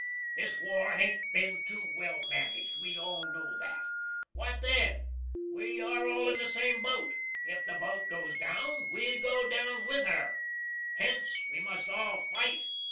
This war hain't been too well managed. We all know that. What then? We are all in the same boat if the boat goes down, we go down with her. Hence we must all fight.